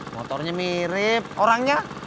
motornya mirip orangnya